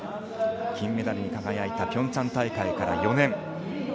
金メダルに輝いたピョンチャン大会から４年。